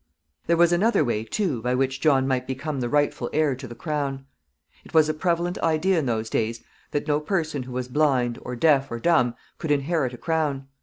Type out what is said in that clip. There was another way, too, by which John might become the rightful heir to the crown. It was a prevalent idea in those days that no person who was blind, or deaf, or dumb could inherit a crown.